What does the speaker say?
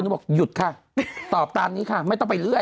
ก็บอกหยุดค่ะตอบตามนี้ค่ะไม่ต้องไปเรื่อย